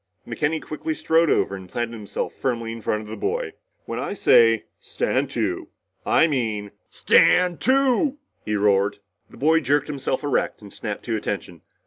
McKenny quickly strode over and planted himself firmly in front of the boy. "When I say stand to, I mean stand to!" he roared. The boy jerked himself erect and snapped to attention.